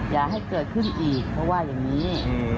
อย่าให้เกิดขึ้นอีกเพราะว่าอย่างนี้